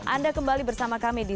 anda kembali bersama kami di